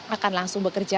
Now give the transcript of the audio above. akan langsung bekerja